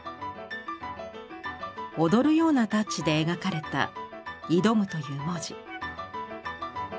踊るようなタッチで描かれた「挑む」という文字。